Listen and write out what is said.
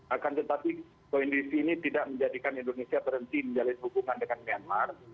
akan tetapi poin dc ini tidak menjadikan indonesia berhenti menjalin hubungan dengan myanmar